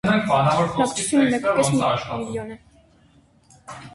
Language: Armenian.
Բնակչությունը մեկուկես միլիոն է։